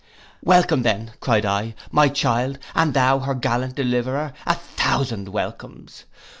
'Welcome then,' cried I, 'my child, and thou her gallant deliverer, a thousand welcomes.